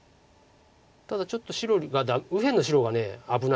ただちょっと右辺の白が危ない。